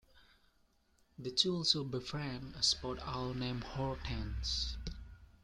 The two also befriend a spotted owl named Hortense.